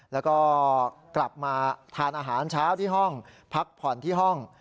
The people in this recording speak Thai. แล้วก็กลับมาทานอาหารเช้าที่ห้องพักผ่อนที่ห้อง